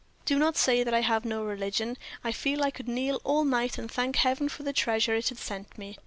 Do not say that I have no religion. I feel that I could kneel all night and thank Heaven for the treasure it has sent me.